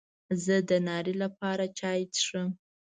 زه د ناري لپاره چای څښم.